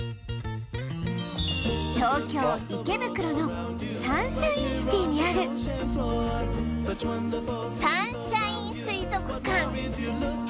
東京池袋のサンシャインシティにあるサンシャイン水族館